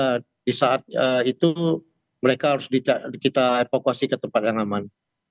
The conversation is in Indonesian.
jadi saat itu mereka harus kita evakuasi ke tempat yang aman